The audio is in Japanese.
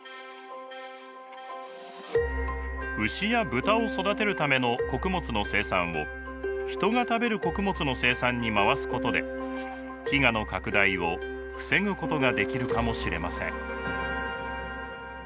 牛や豚を育てるための穀物の生産を人が食べる穀物の生産に回すことで飢餓の拡大を防ぐことができるかもしれません。